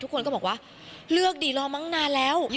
ทุกคนก็บอกว่าเลือกดิรอมั้งนานแล้ว